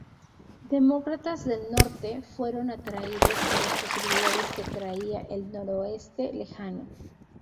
Demócratas del norte fueron atraídos por las posibilidades que traía el noroeste lejano.